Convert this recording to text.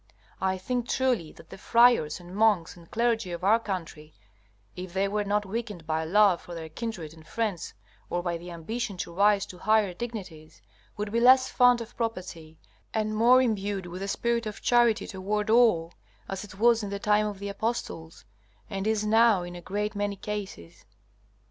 I think truly that the friars and monks and clergy of our country, if they were not weakened by love for their kindred and friends or by the ambition to rise to higher dignities, would be less fond of property, and more imbued with a spirit of charity toward all, as it was in the time of the apostles, and is now in a great many cases.